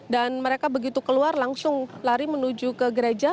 dan mereka begitu keluar langsung lari menuju ke gereja